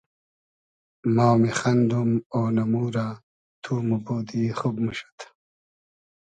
ما میخئندوم اۉنئمو رۂ تو موبودی خوب موشود